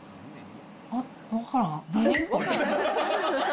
あっ、分からん、何これ？